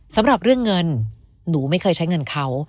สำหรับเรื่องเงินหนูไม่เคยใช้เงินเขา